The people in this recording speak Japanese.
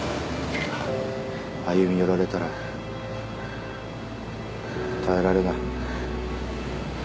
歩み寄られたら耐えられない。